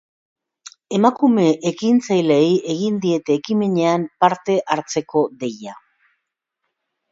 Emakume ekintzaileei egin diete ekimenean parte hartzeko deia.